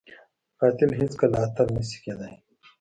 قاتل هیڅ کله اتل نه شي کېدای